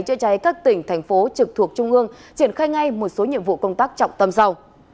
chữa cháy các tỉnh thành phố trực thuộc trung ương triển khai ngay một số nhiệm vụ công tác trọng tâm sau